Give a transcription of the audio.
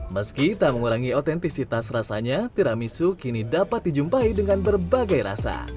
meski tak mengurangi otentisitas rasanya tiramisu kini dapat dijumpai dengan berbagai rasa